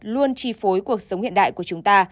luôn chi phối cuộc sống hiện đại của chúng ta